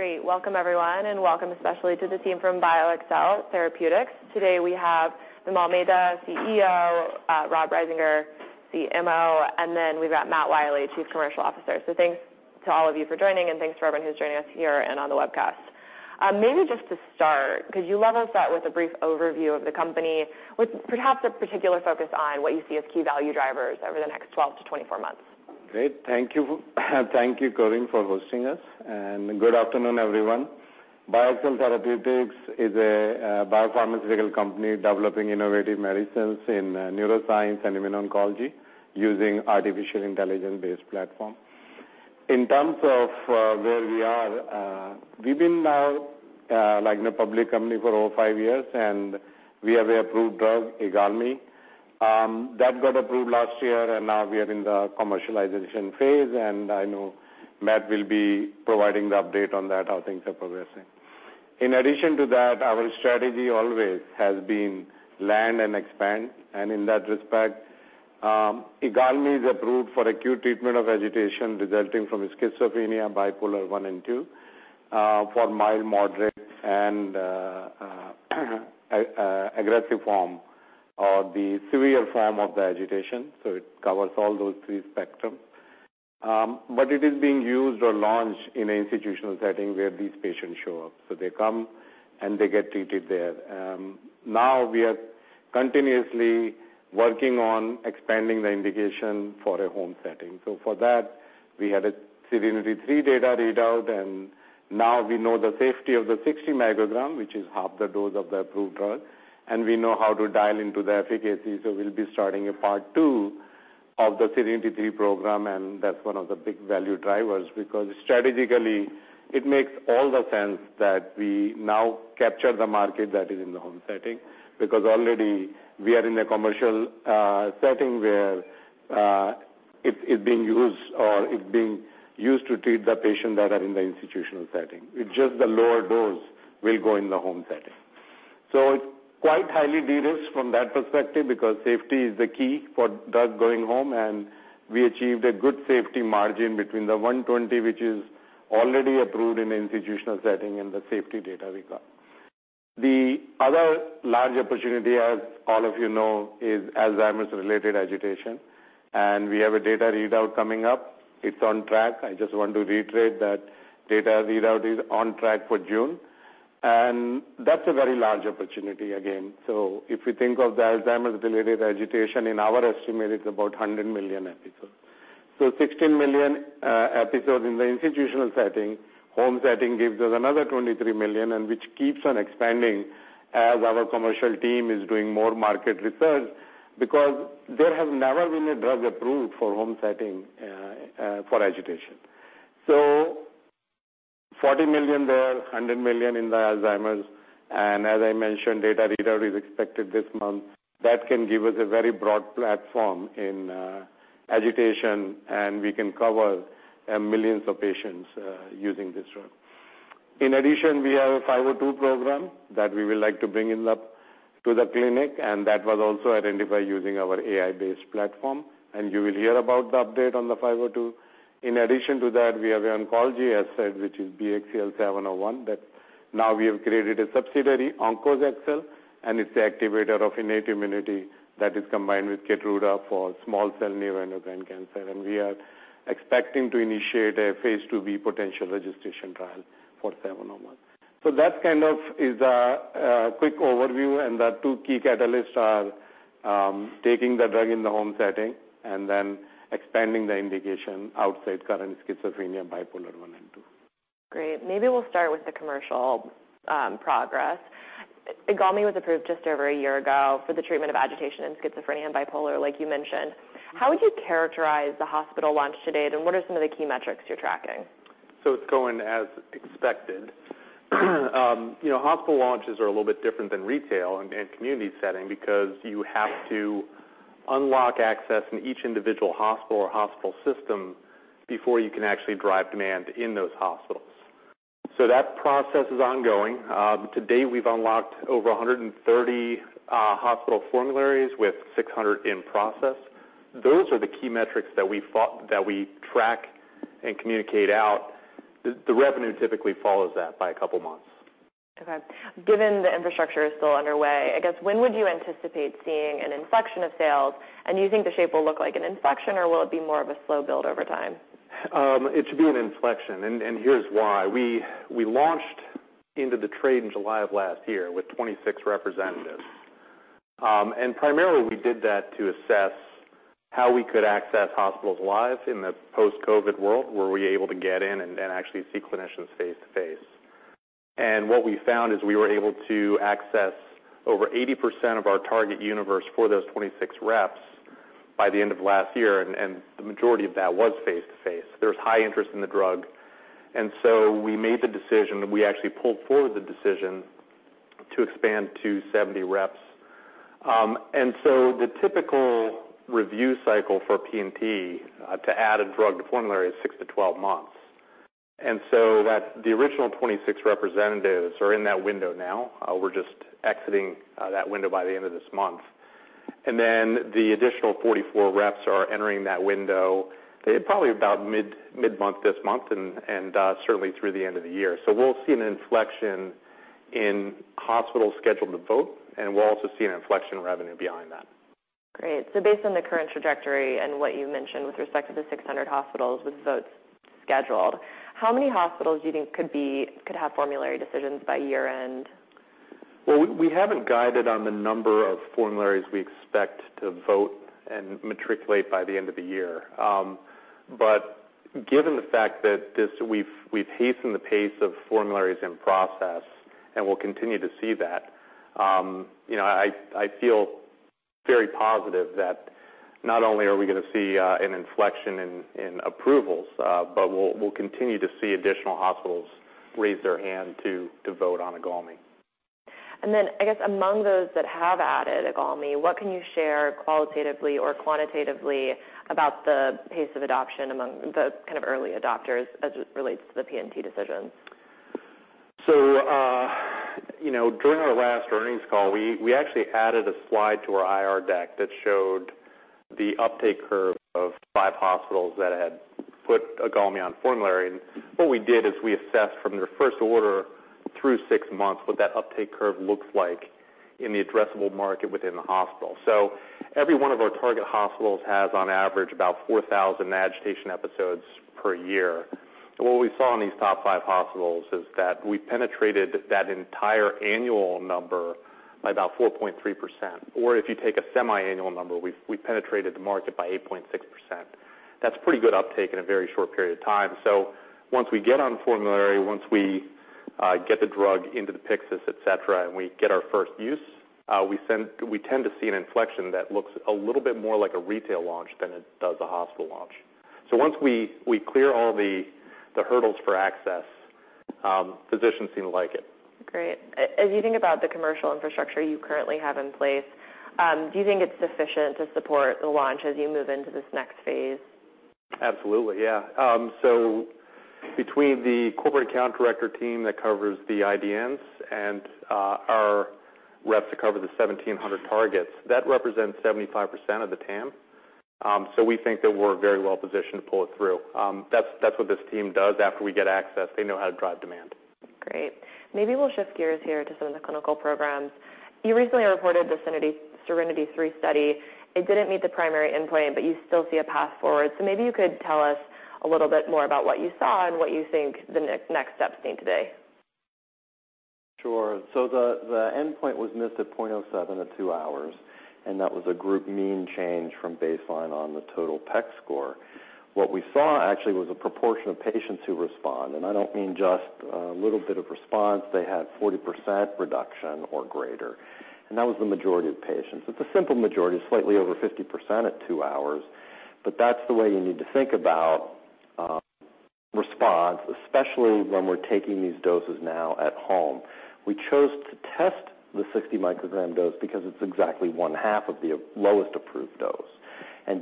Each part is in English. Great. Welcome, everyone, and welcome especially to the team from BioXcel Therapeutics. Today, we have Vimal Mehta, CEO, Robert Risinger, CMO, and then we've got Matt Wiley, Chief Commercial Officer. Thanks to all of you for joining, and thanks to everyone who's joining us here and on the webcast. Maybe just to start, could you level us out with a brief overview of the company, with perhaps a particular focus on what you see as key value drivers over the next 12 to 24 months? Great. Thank you. Thank you, Corinne, for hosting us. Good afternoon, everyone. BioXcel Therapeutics is a biopharmaceutical company developing innovative medicines in neuroscience and immuno-oncology using artificial intelligence-based platform. In terms of where we are, we've been now, like, in a public company for over 5 years. We have an approved drug, IGALMI. That got approved last year. Now we are in the commercialization phase. I know Matt will be providing the update on that, how things are progressing. In addition to that, our strategy always has been land and expand. In that respect, IGALMI is approved for acute treatment of agitation resulting from schizophrenia, bipolar 1 and 2, for mild, moderate, and aggressive form or the severe form of the agitation. It covers all those three spectrum. But it is being used or launched in an institutional setting where these patients show up. They come, and they get treated there. Now we are continuously working on expanding the indication for a home setting. For that, we had a SERENITY III data readout, and now we know the safety of the 60-milligram, which is half the dose of the approved drug, and we know how to dial into the efficacy. We'll be starting a part two of the SERENITY III program, and that's one of the big value drivers, because strategically, it makes all the sense that we now capture the market that is in the home setting, because already we are in a commercial setting where it's being used or it's being used to treat the patients that are in the institutional setting. It's just the lower dose will go in the home setting. It's quite highly de-risked from that perspective because safety is the key for drug going home, and we achieved a good safety margin between the 120, which is already approved in an institutional setting and the safety data we got. The other large opportunity, as all of you know, is Alzheimer's-related agitation, and we have a data readout coming up. It's on track. I just want to reiterate that data readout is on track for June, and that's a very large opportunity again. If we think of the Alzheimer's-related agitation, in our estimate, it's about 100 million episodes. 16 million episodes in the institutional setting. Home setting gives us another $23 million. Which keeps on expanding as our commercial team is doing more market research, because there has never been a drug approved for home setting for agitation. Forty million there, $100 million in the Alzheimer's. As I mentioned, data readout is expected this month. That can give us a very broad platform in agitation. We can cover millions of patients using this drug. In addition, we have a BXCL502 program that we would like to bring to the clinic. That was also identified using our AI-based platform. You will hear about the update on the BXCL502. In addition to that, we have an oncology asset, which is BXCL701, that now we have created a subsidiary, OncoExcel, and it's the activator of innate immunity that is combined with Keytruda for small cell neuroendocrine cancer. We are expecting to initiate a Phase IIb potential registration trial for 701. That kind of is a quick overview, and the two key catalysts are taking the drug in the home setting and then expanding the indication outside current schizophrenia, bipolar 1 and 2. Great. Maybe we'll start with the commercial progress. IGALMI was approved just over a year ago for the treatment of agitation in schizophrenia and bipolar, like you mentioned. How would you characterize the hospital launch to date, and what are some of the key metrics you're tracking? It's going as expected. You know, hospital launches are a little bit different than retail and community setting because you have to unlock access in each individual hospital or hospital system before you can actually drive demand in those hospitals. That process is ongoing. To date, we've unlocked over 130 hospital formularies with 600 in process. Those are the key metrics that we track and communicate out. The revenue typically follows that by a couple of months. Okay. Given the infrastructure is still underway, I guess, when would you anticipate seeing an inflection of sales? Do you think the shape will look like an inflection, or will it be more of a slow build over time? It should be an inflection, and here's why. We launched into the trade in July of last year with 26 representatives. Primarily, we did that to assess how we could access hospitals live in the post-COVID world, were we able to get in and actually see clinicians face-to-face. What we found is we were able to access over 80% of our target universe for those 26 reps by the end of last year, and the majority of that was face-to-face. There was high interest in the drug, we made the decision, and we actually pulled forward the decision to expand to 70 reps. The typical review cycle for P&T to add a drug to formulary is 6-12 months. That the original 26 representatives are in that window now. We're just exiting that window by the end of this month. The additional 44 reps are entering that window, they probably about mid-month, this month, and certainly through the end of the year. We'll see an inflection in hospital scheduled to vote, and we'll also see an inflection revenue behind that. Based on the current trajectory and what you mentioned with respect to the 600 hospitals with votes scheduled, how many hospitals do you think could have formulary decisions by year-end? Well, we haven't guided on the number of formularies we expect to vote and matriculate by the end of the year. Given the fact that this, we've hastened the pace of formularies in process and we'll continue to see that, you know, I feel very positive that not only are we gonna see an inflection in approvals, but we'll continue to see additional hospitals raise their hand to vote on IGALMI. I guess among those that have added IGALMI, what can you share qualitatively or quantitatively about the pace of adoption among the kind of early adopters as it relates to the P&T decisions? you know, during our last earnings call, we actually added a slide to our IR deck that showed the uptake curve of 5 hospitals that had put IGALMI on formulary. What we did is we assessed from their first order through 6 months, what that uptake curve looks like in the addressable market within the hospital. Every one of our target hospitals has, on average, about 4,000 agitation episodes per year. What we saw in these top 5 hospitals is that we penetrated that entire annual number by about 4.3%. If you take a semiannual number, we penetrated the market by 8.6%. That's pretty good uptake in a very short period of time. Once we get on formulary, once we get the drug into the Pyxis, et cetera, and we get our first use, we tend to see an inflection that looks a little bit more like a retail launch than it does a hospital launch. Once we clear all the hurdles for access, physicians seem to like it. Great. As you think about the commercial infrastructure you currently have in place, do you think it's sufficient to support the launch as you move into this next phase? Absolutely. Yeah. Between the corporate account director team that covers the IDNs and our reps that cover the 1,700 targets, that represents 75% of the TAM. We think that we're very well positioned to pull it through. That's what this team does. After we get access, they know how to drive demand. Great. Maybe we'll shift gears here to some of the clinical programs. You recently reported the SERENITY III study. It didn't meet the primary endpoint. You still see a path forward. Maybe you could tell us a little bit more about what you saw and what you think the next steps need to be. Sure. The, the endpoint was missed at 0.07 at 2 hours, and that was a group mean change from baseline on the total PEC score. What we saw actually was a proportion of patients who respond, and I don't mean just a little bit of response. They had 40% reduction or greater, and that was the majority of patients. It's a simple majority, slightly over 50% at 2 hours, but that's the way you need to think about response, especially when we're taking these doses now at home. We chose to test the 60 microgram dose because it's exactly one half of the lowest approved dose.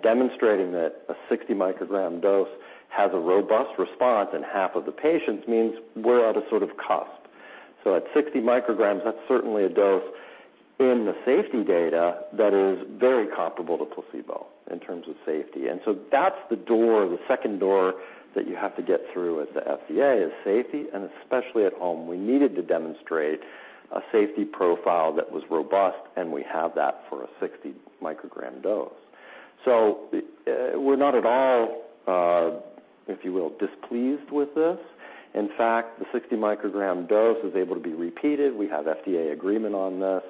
Demonstrating that a 60 microgram dose has a robust response in half of the patients, means we're at a sort of cusp. At 60 micrograms, that's certainly a dose in the safety data that is very comparable to placebo in terms of safety. That's the door, the second door, that you have to get through as the FDA is safety, and especially at home. We needed to demonstrate a safety profile that was robust, and we have that for a 60 microgram dose. We're not at all, if you will, displeased with this. In fact, the 60 microgram dose is able to be repeated. We have FDA agreement on this.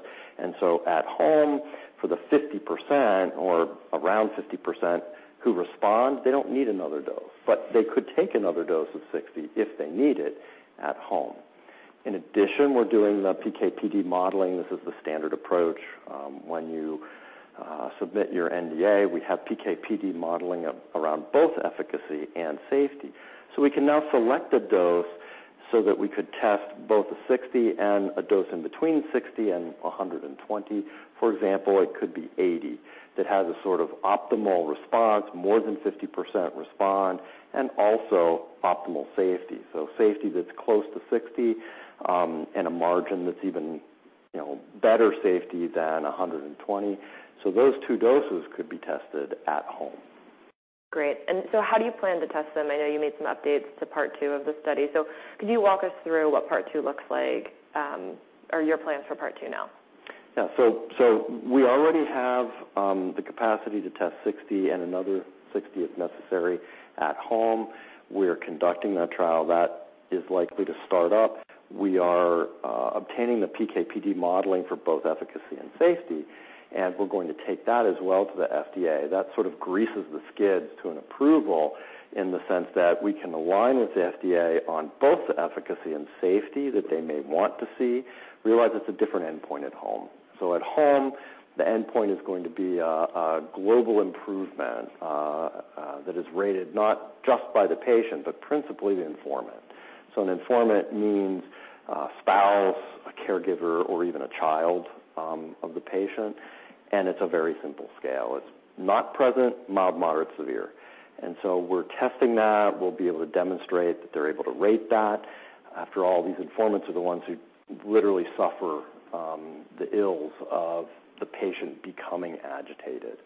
At home, for the 50% or around 50% who respond, they don't need another dose, but they could take another dose of 60 if they need it at home. In addition, we're doing the PK/PD modeling. This is the standard approach, when you submit your NDA. We have PK/PD modeling around both efficacy and safety. We can now select a dose so that we could test both a 60 and a dose in between 60 and 120. For example, it could be 80. That has a sort of optimal response, more than 50% respond, and also optimal safety. Safety that's close to 60, and a margin that's even, you know, better safety than 120. Those two doses could be tested at home. Great. How do you plan to test them? I know you made some updates to part two of the study. Could you walk us through what part two looks like, or your plans for part two now? We already have the capacity to test 60 and another 60, if necessary, at home. We are conducting that trial. That is likely to start up. We are obtaining the PK/PD modeling for both efficacy and safety, and we're going to take that as well to the FDA. That sort of greases the skids to an approval in the sense that we can align with the FDA on both the efficacy and safety that they may want to see. Realize it's a different endpoint at home. At home, the endpoint is going to be a global improvement that is rated not just by the patient, but principally the informant. An informant means a spouse, a caregiver, or even a child of the patient, and it's a very simple scale. It's not present, mild, moderate, severe. We're testing that. We'll be able to demonstrate that they're able to rate that. After all, these informants are the ones who literally suffer the ills of the patient becoming agitated.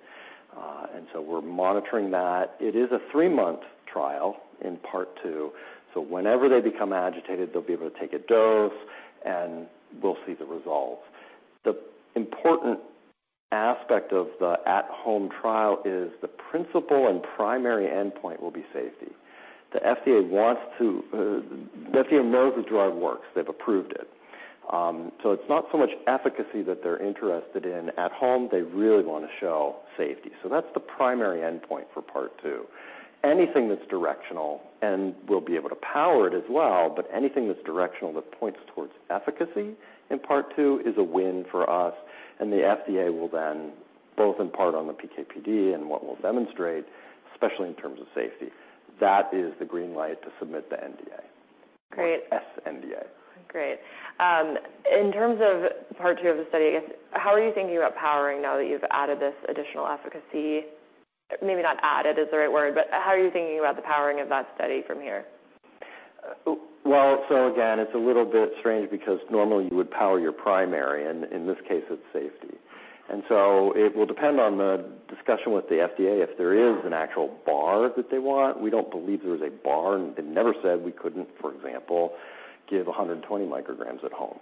We're monitoring that. It is a three-month trial in Part Two, whenever they become agitated, they'll be able to take a dose, and we'll see the results. The important aspect of the at-home trial is the principal and primary endpoint will be safety. The FDA knows the drug works. They've approved it. It's not so much efficacy that they're interested in. At home, they really want to show safety, that's the primary endpoint for Part Two. Anything that's directional, and we'll be able to power it as well, but anything that's directional that points towards efficacy in Part Two is a win for us. The FDA will then both impart on the PK/PD and what we'll demonstrate, especially in terms of safety. That is the green light to submit the NDA. Great. SNDA. Great. In terms of Part 2 of the study, how are you thinking about powering now that you've added this additional efficacy? Maybe not added is the right word, but how are you thinking about the powering of that study from here? Well, so again, it's a little bit strange because normally you would power your primary, and in this case, it's safety. It will depend on the discussion with the FDA if there is an actual bar that they want. We don't believe there is a bar, and they never said we couldn't, for example, give 120 micrograms at home.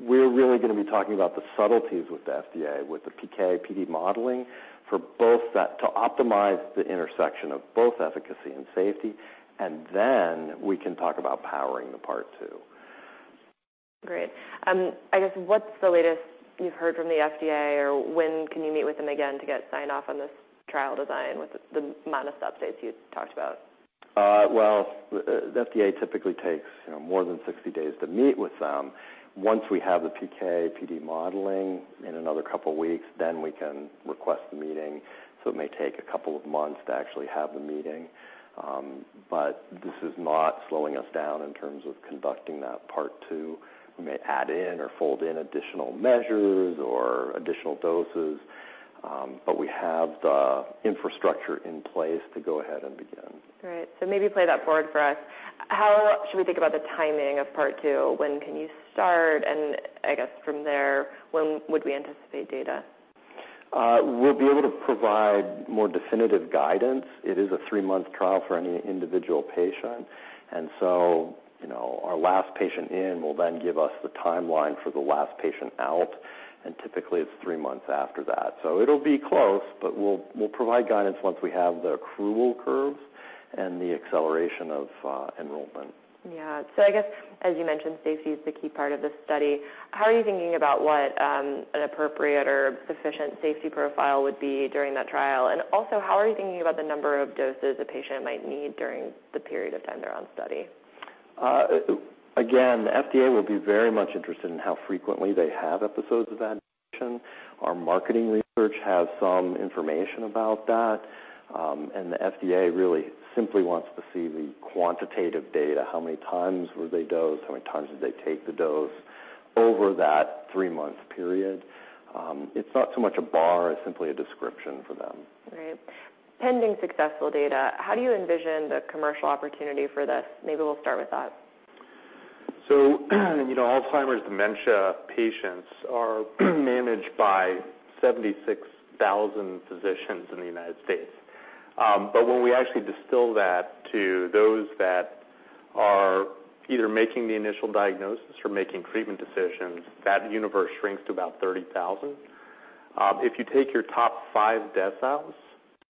We're really going to be talking about the subtleties with the FDA, with the PK/PD modeling, for both that, to optimize the intersection of both efficacy and safety, then we can talk about powering the Part Two. Great. I guess, what's the latest you've heard from the FDA, or when can you meet with them again to get signed off on this trial design with the amount of updates you talked about? Well, the FDA typically takes, you know, more than 60 days to meet with them. Once we have the PK/PD modeling in another couple of weeks, then we can request the meeting, so it may take a couple of months to actually have the meeting. This is not slowing us down in terms of conducting that Part Two. We may add in or fold in additional measures or additional doses, but we have the infrastructure in place to go ahead and begin. Great. maybe play that forward for us. How should we think about the timing of Part Two? When can you start? I guess from there, when would we anticipate data? We'll be able to provide more definitive guidance. It is a 3-month trial for any individual patient, you know, our last patient in will then give us the timeline for the last patient out, typically it's 3 months after that. It'll be close, but we'll provide guidance once we have the accrual curves and the acceleration of enrollment. I guess, as you mentioned, safety is the key part of this study. How are you thinking about what an appropriate or sufficient safety profile would be during that trial? Also, how are you thinking about the number of doses a patient might need during the period of time they're on study? Again, the FDA will be very much interested in how frequently they have episodes of agitation. Our marketing research has some information about that, the FDA really simply wants to see the quantitative data. How many times were they dosed? How many times did they take the dose over that 3-month period? It's not so much a bar, it's simply a description for them. Right. Pending successful data, how do you envision the commercial opportunity for this? Maybe we'll start with that. You know, Alzheimer's dementia patients are managed by 76,000 physicians in the United States. When we actually distill that to those that are either making the initial diagnosis or making treatment decisions, that universe shrinks to about 30,000. If you take your top 5 deciles,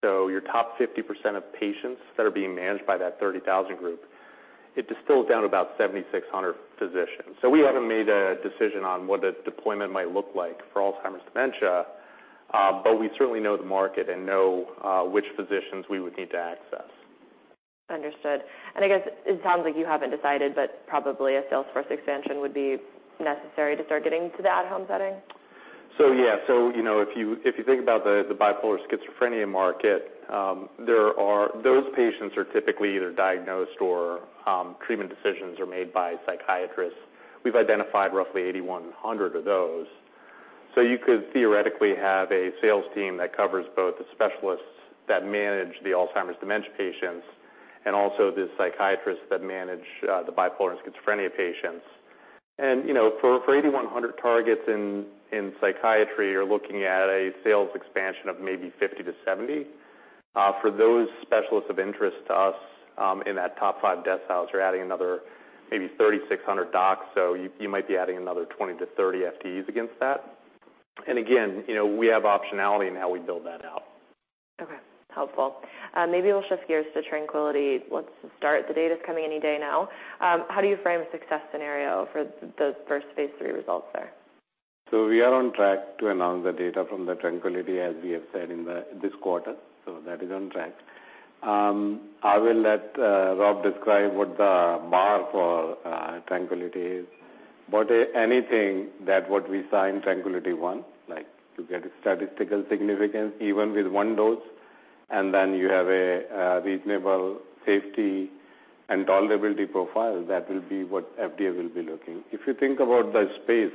your top 50% of patients that are being managed by that 30,000 group, it distills down to about 7,600 physicians. We haven't made a decision on what a deployment might look like for Alzheimer's dementia, but we certainly know the market and know which physicians we would need to access. Understood. I guess it sounds like you haven't decided, but probably a sales force expansion would be necessary to start getting to the at-home setting. Yeah. You know, if you think about the bipolar schizophrenia market, those patients are typically either diagnosed or treatment decisions are made by psychiatrists. We've identified roughly 8,100 of those. You could theoretically have a sales team that covers both the specialists that manage the Alzheimer's dementia patients and also the psychiatrists that manage the bipolar and schizophrenia patients. You know, for 8,100 targets in psychiatry, you're looking at a sales expansion of maybe 50-70. For those specialists of interest to us, in that top five deciles, you're adding another maybe 3,600 docs, so you might be adding another 20-30 FTEs against that. Again, you know, we have optionality in how we build that out. Okay. Helpful. Maybe we'll shift gears to Tranquility. Let's start. The data's coming any day now. How do you frame a success scenario for the first phase III results there? We are on track to announce the data from the TRANQUILITY, as we have said, in this quarter. That is on track. I will let Rob describe what the bar for TRANQUILITY is. Anything that what we saw in TRANQUILITY I, like to get a statistical significance, even with 1 dose, and then you have a reasonable safety and tolerability profile, that will be what FDA will be looking. If you think about the space.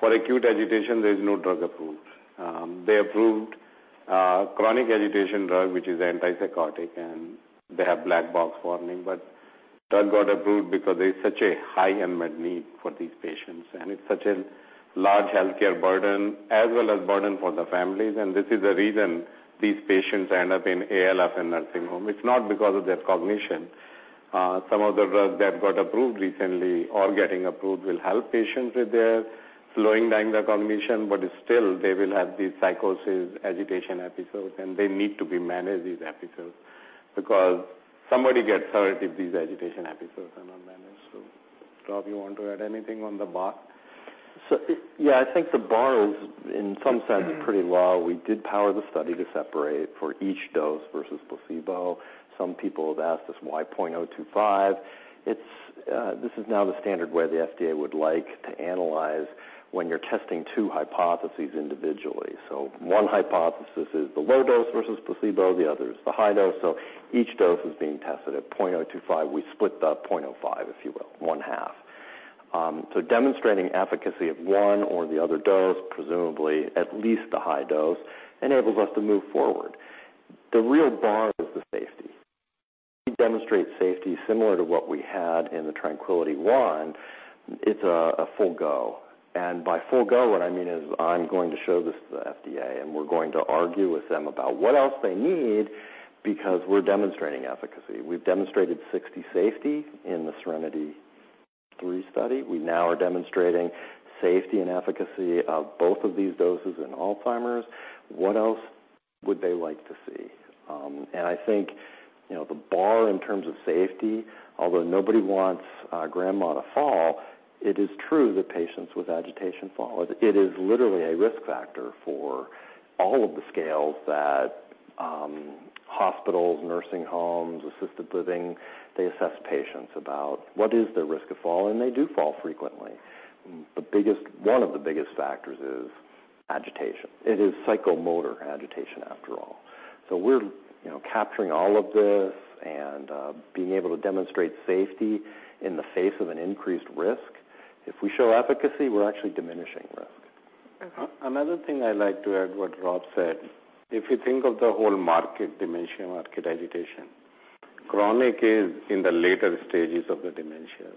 For acute agitation, there is no drug approved. They approved chronic agitation drug, which is antipsychotic, and they have black box warning. Drug got approved because there is such a high unmet need for these patients, and it's such a large healthcare burden as well as burden for the families. This is the reason these patients end up in ALF and nursing home. It's not because of their cognition. Some of the drugs that got approved recently or getting approved will help patients with their slowing down their cognition, but still they will have these psychosis, agitation episodes, and they need to be managed, these episodes, because somebody gets hurt if these agitation episodes are not managed. Rob, you want to add anything on the bar? Yeah, I think the bar is, in some sense, pretty low. We did power the study to separate for each dose versus placebo. Some people have asked us why 0.025. It's, this is now the standard way the FDA would like to analyze when you're testing two hypotheses individually. One hypothesis is the low dose versus placebo, the other is the high dose. Each dose is being tested. At 0.025, we split the 0.05, if you will, one half. Demonstrating efficacy of one or the other dose, presumably at least the high dose, enables us to move forward. The real bar is the safety. Demonstrate safety similar to what we had in the Tranquility I, it's a full go. By full go, what I mean is I'm going to show this to the FDA, and we're going to argue with them about what else they need, because we're demonstrating efficacy. We've demonstrated 60 safety in the SERENITY III study. We now are demonstrating safety and efficacy of both of these doses in Alzheimer's. What else would they like to see? I think, you know, the bar in terms of safety, although nobody wants grandma to fall, it is true that patients with agitation fall. It is literally a risk factor for all of the scales that hospitals, nursing homes, assisted living, they assess patients about what is their risk of falling, and they do fall frequently. One of the biggest factors is agitation. It is psychomotor agitation, after all. We're, you know, capturing all of this and being able to demonstrate safety in the face of an increased risk. If we show efficacy, we're actually diminishing risk. Okay. Another thing I'd like to add what Rob said, if you think of the whole market dimension, market agitation, chronic is in the later stages of the dementia,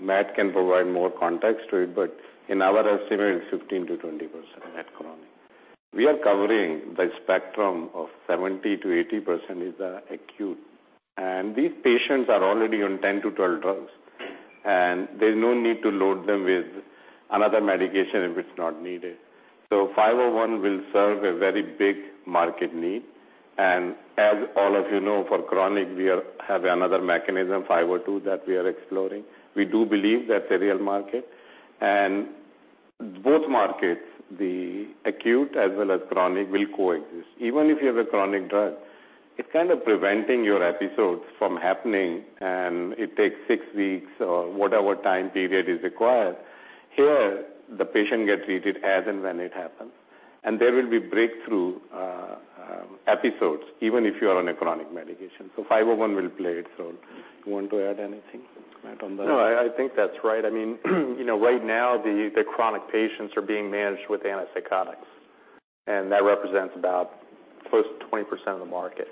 Matt can provide more context to it, but in our estimate, it's 15%-20% at chronic. We are covering the spectrum of 70%-80% is acute. These patients are already on 10-12 drugs. There's no need to load them with another medication if it's not needed. Five oh one will serve a very big market need. As all of you know, for chronic, we are have another mechanism, five oh two, that we are exploring. We do believe that's a real market. Both markets, the acute as well as chronic, will coexist. Even if you have a chronic drug, it's kind of preventing your episodes from happening, and it takes six weeks or whatever time period is required. Here, the patient gets treated as and when it happens, and there will be breakthrough episodes, even if you are on a chronic medication. 501 will play it. You want to add anything, Matt, on that? No, I think that's right. I mean, you know, right now, the chronic patients are being managed with antipsychotics, and that represents about close to 20% of the market.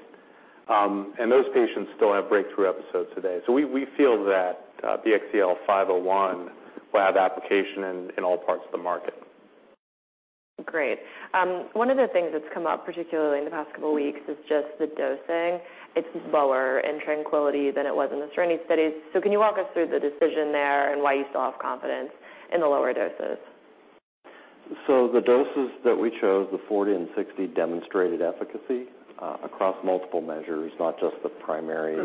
Those patients still have breakthrough episodes today. We feel that BXCL501 will have application in all parts of the market. Great. One of the things that's come up, particularly in the past couple weeks, is just the dosing. It's lower in TRANQUILITY than it was in the SERENITY studies. Can you walk us through the decision there and why you still have confidence in the lower doses? The doses that we chose, the 40 and 60, demonstrated efficacy, across multiple measures, not just the primary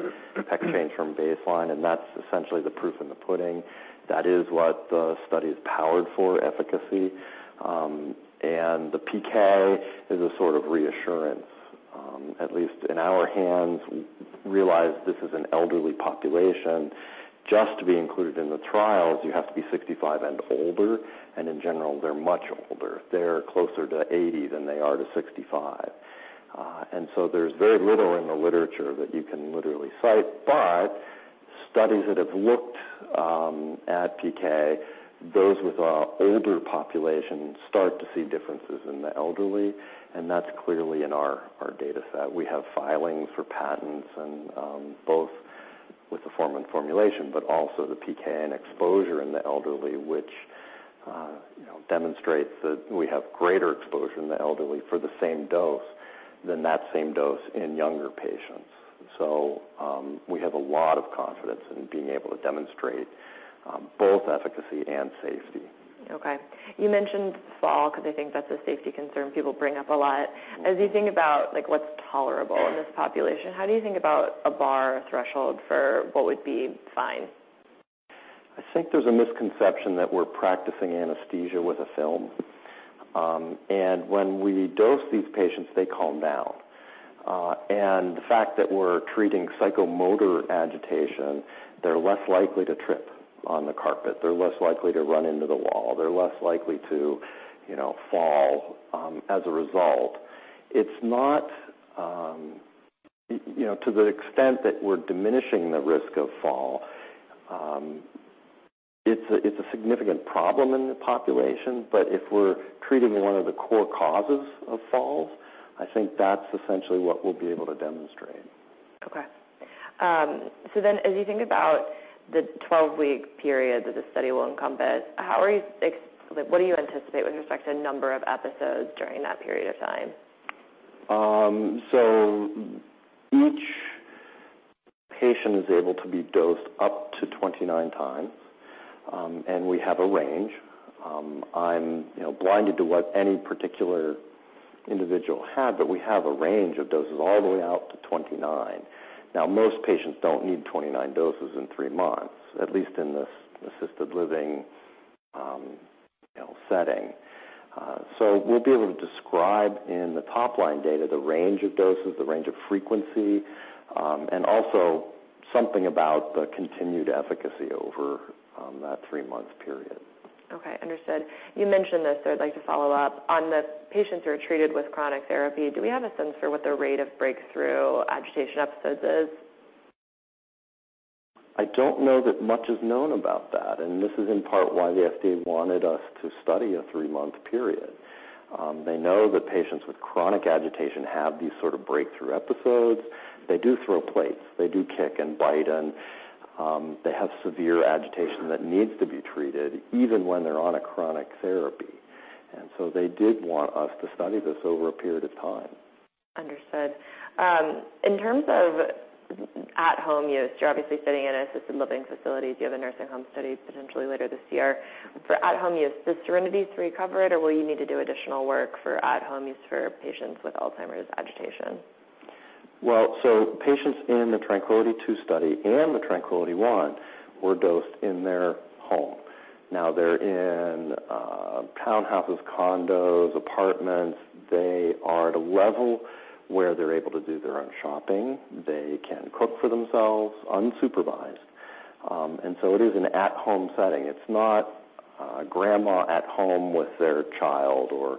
change from baseline, and that's essentially the proof in the pudding. That is what the study is powered for, efficacy. The PK is a sort of reassurance. At least in our hands, we realize this is an elderly population. Just to be included in the trials, you have to be 65 and older, and in general, they're much older. They're closer to 80 than they are to 65. There's very little in the literature that you can literally cite. Studies that have looked at PK, those with a older population start to see differences in the elderly, and that's clearly in our data set. We have filings for patents and both with the form and formulation, but also the PK and exposure in the elderly, which, you know, demonstrates that we have greater exposure in the elderly for the same dose than that same dose in younger patients. We have a lot of confidence in being able to demonstrate both efficacy and safety. Okay. You mentioned fall because I think that's a safety concern people bring up a lot. As you think about, like, what's tolerable in this population, how do you think about a bar or a threshold for what would be fine? I think there's a misconception that we're practicing anesthesia with a film. When we dose these patients, they calm down. The fact that we're treating psychomotor agitation, they're less likely to trip on the carpet. They're less likely to run into the wall. They're less likely to, you know, fall, as a result. It's not, you know, to the extent that we're diminishing the risk of fall, it's a, it's a significant problem in the population. If we're treating one of the core causes of falls, I think that's essentially what we'll be able to demonstrate. Okay. As you think about the 12-week period that the study will encompass, what do you anticipate with respect to number of episodes during that period of time? Each patient is able to be dosed up to 29 times. We have a range. I'm, you know, blinded to what any particular individual had, but we have a range of doses all the way out to 29. Now, most patients don't need 29 doses in three months, at least in this assisted living, you know, setting. We'll be able to describe in the top-line data, the range of doses, the range of frequency, and also something about the continued efficacy over that three-month period. Okay, understood. You mentioned this, so I'd like to follow up. On the patients who are treated with chronic therapy, do we have a sense for what their rate of breakthrough agitation episodes is? I don't know that much is known about that. This is in part why the FDA wanted us to study a three-month period. They know that patients with chronic agitation have these sort of breakthrough episodes. They do throw plates, they do kick and bite, they have severe agitation that needs to be treated even when they're on a chronic therapy. They did want us to study this over a period of time. Understood. In terms of at-home use, you're obviously studying in assisted living facilities. You have a nursing home study potentially later this year. For at-home use, does TRANQUILITY III cover it, or will you need to do additional work for at-home use for patients with Alzheimer's agitation? Patients in the TRANQUILITY II study and the TRANQUILITY I were dosed in their home. Now they're in townhouses, condos, apartments. They are at a level where they're able to do their own shopping. They can cook for themselves unsupervised. It is an at-home setting. It's not grandma at home with their child or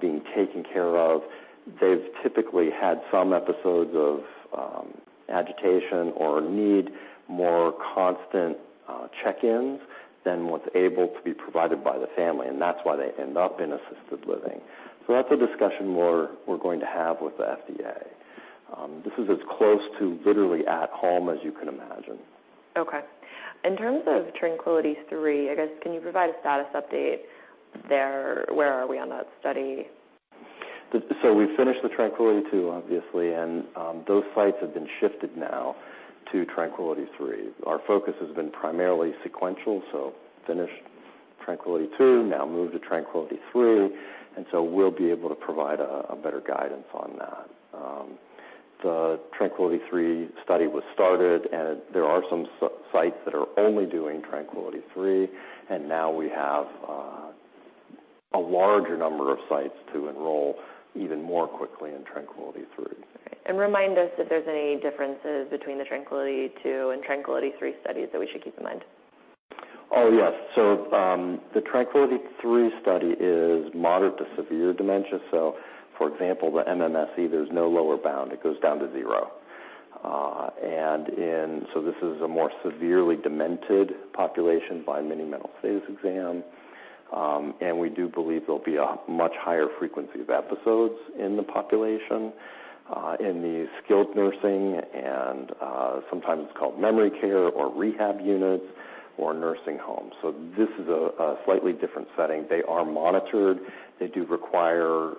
being taken care of. They've typically had some episodes of agitation or need more constant check-ins than what's able to be provided by the family, and that's why they end up in assisted living. That's a discussion we're going to have with the FDA. This is as close to literally at home as you can imagine. Okay. In terms of TRANQUILITY III, I guess, can you provide a status update there? Where are we on that study? We've finished the TRANQUILITY II, obviously, and those sites have been shifted now to TRANQUILITY III. Our focus has been primarily sequential, so finished TRANQUILITY II, now moved to TRANQUILITY III, and so we'll be able to provide a better guidance on that. The TRANQUILITY III study was started, and there are some sites that are only doing TRANQUILITY III, and now we have a larger number of sites to enroll even more quickly in TRANQUILITY III. Okay. Remind us if there's any differences between the TRANQUILITY II and TRANQUILITY III studies that we should keep in mind. Oh, yes. The TRANQUILITY III study is moderate to severe dementia. For example, the MMSE, there's no lower bound. It goes down to 0. This is a more severely demented population by Mini-Mental State Examination. We do believe there'll be a much higher frequency of episodes in the population in the skilled nursing and sometimes it's called memory care or rehab units or nursing homes. This is a slightly different setting. They are monitored. They do require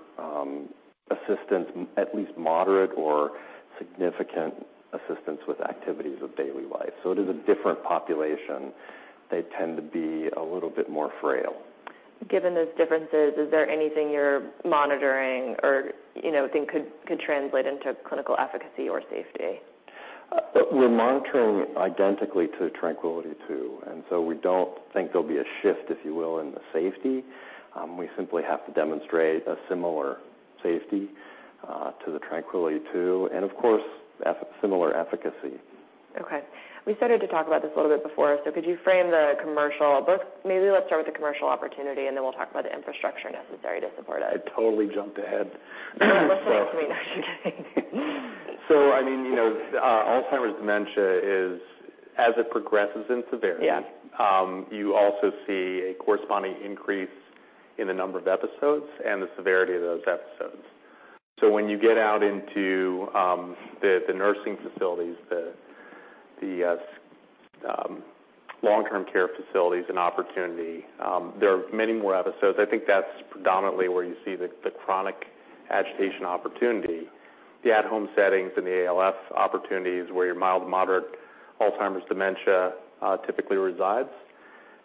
assistance, at least moderate or significant assistance with activities of daily life. It is a different population. They tend to be a little bit more frail. Given those differences, is there anything you're monitoring or, you know, think could translate into clinical efficacy or safety? We're monitoring identically to TRANQUILITY II. We don't think there'll be a shift, if you will, in the safety. We simply have to demonstrate a similar safety to the TRANQUILITY II and of course, similar efficacy. We started to talk about this a little bit before. Could you frame the commercial opportunity, and then we'll talk about the infrastructure necessary to support it. I totally jumped ahead. No, that's all right. No, you're kidding. I mean, you know, Alzheimer's dementia is as it progresses in severity. Yeah... you also see a corresponding increase in the number of episodes and the severity of those episodes. When you get out into, the nursing facilities, the, long-term care facilities and opportunity, there are many more episodes. I think that's predominantly where you see the chronic agitation opportunity. The at-home settings and the ALF opportunity is where your mild to moderate Alzheimer's dementia, typically resides.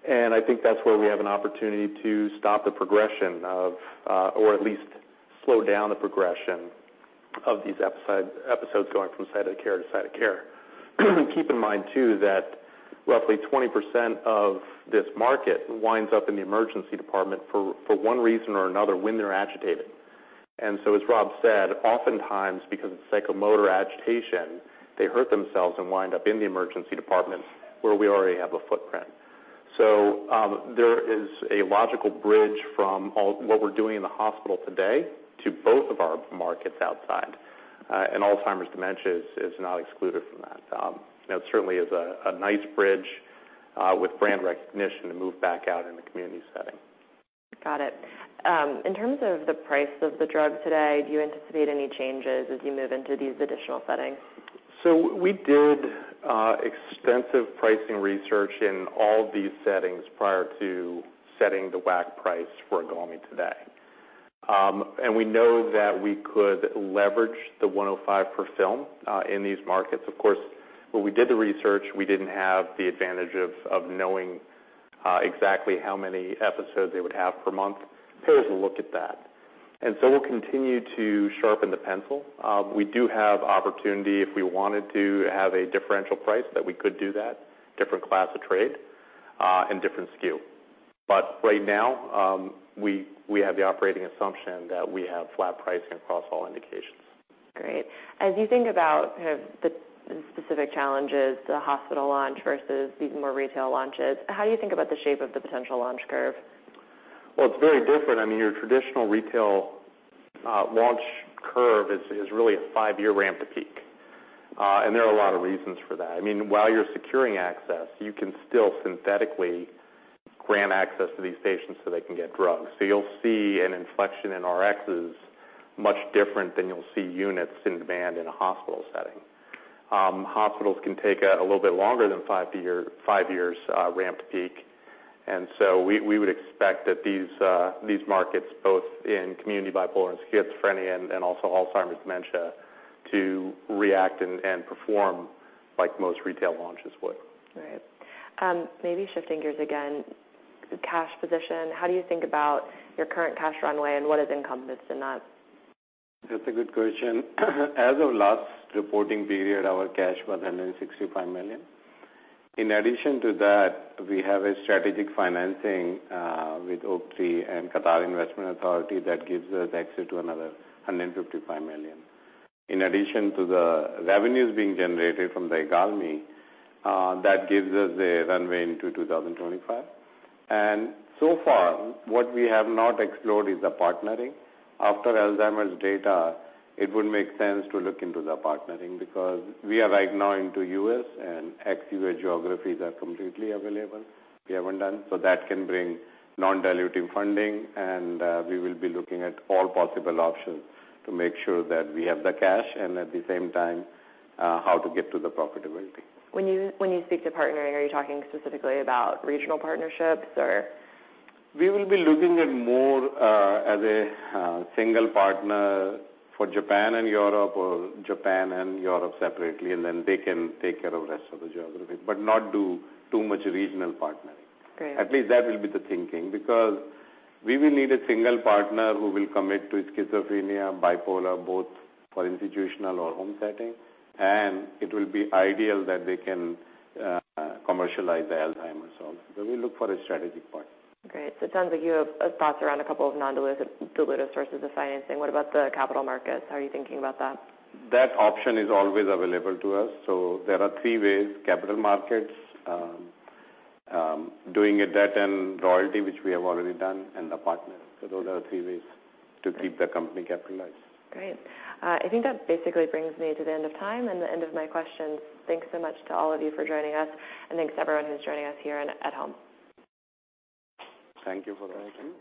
I think that's where we have an opportunity to stop the progression of, or at least slow down the progression of these episodes going from site of care to site of care. Keep in mind, too, that roughly 20% of this market winds up in the emergency department for one reason or another when they're agitated. As Rob said, oftentimes, because of psychomotor agitation, they hurt themselves and wind up in the emergency department where we already have a footprint.... there is a logical bridge from all what we're doing in the hospital today to both of our markets outside. Alzheimer's dementia is not excluded from that. That certainly is a nice bridge, with brand recognition to move back out in the community setting. Got it. In terms of the price of the drug today, do you anticipate any changes as you move into these additional settings? We did extensive pricing research in all these settings prior to setting the WAC price for IGALMI today. We know that we could leverage the $105 per film in these markets. Of course, when we did the research, we didn't have the advantage of knowing exactly how many episodes they would have per month. Payers will look at that. We'll continue to sharpen the pencil. We do have opportunity if we wanted to have a differential price, that we could do that, different class of trade and different SKU. Right now, we have the operating assumption that we have flat pricing across all indications. Great. As you think about kind of the specific challenges, the hospital launch versus these more retail launches, how do you think about the shape of the potential launch curve? Well, it's very different. I mean, your traditional retail launch curve is really a 5-year ramp to peak. There are a lot of reasons for that. I mean, while you're securing access, you can still synthetically grant access to these patients so they can get drugs. You'll see an inflection in RXs much different than you'll see units in demand in a hospital setting. Hospitals can take a little bit longer than 5 years ramp to peak. We would expect that these markets, both in community bipolar and schizophrenia and also Alzheimer's dementia, to react and perform like most retail launches would. Maybe shifting gears again. The cash position, how do you think about your current cash runway and what is encompassed in that? That's a good question. As of last reporting period, our cash was $165 million. In addition to that, we have a strategic financing with Oaktree and Qatar Investment Authority that gives us access to another $155 million. In addition to the revenues being generated from the IGALMI, that gives us a runway into 2025. So far, what we have not explored is the partnering. After Alzheimer's data, it would make sense to look into the partnering because we are right now into U.S., and ex-U.S. geographies are completely available, we haven't done. That can bring non-dilutive funding, and we will be looking at all possible options to make sure that we have the cash and at the same time, how to get to the profitability. When you speak to partnering, are you talking specifically about regional partnerships, or? We will be looking at more, as a, single partner for Japan and Europe, or Japan and Europe separately, and then they can take care of the rest of the geography, but not do too much regional partnering. Great. At least that will be the thinking, because we will need a single partner who will commit to schizophrenia, bipolar, both for institutional or home setting, and it will be ideal that they can commercialize the Alzheimer's also. We look for a strategic partner. Great. It sounds like you have thoughts around a couple of dilutive sources of financing. What about the capital markets? How are you thinking about that? That option is always available to us. There are 3 ways: capital markets, doing a debt and royalty, which we have already done, and the partners. Those are 3 ways to keep the company capitalized. Great. I think that basically brings me to the end of time and the end of my questions. Thanks so much to all of you for joining us. Thanks everyone who's joining us here and at home. Thank you for joining.